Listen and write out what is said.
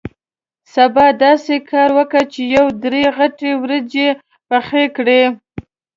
سبا داسې کار وکه چې یو درې غټې وریجې پخې کړې.